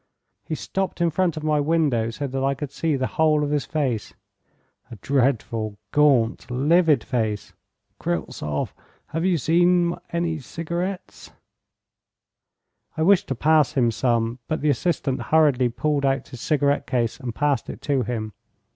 He stopped in front of my window, so that I could see the whole of his face. A dreadful, gaunt, livid face. 'Kryltzoff, have you any cigarettes?' I wished to pass him some, but the assistant hurriedly pulled out his cigarette case and passed it to him.